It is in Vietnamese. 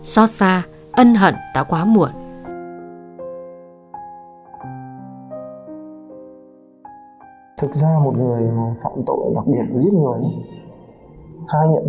xót xa ân hận đã quá muộn